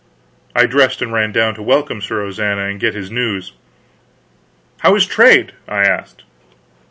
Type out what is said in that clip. I dressed and ran down to welcome Sir Ozana and get his news. "How is trade?" I asked.